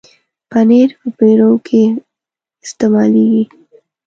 پنېر په پیروکي کې استعمالېږي.